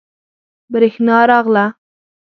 بریښنا راغله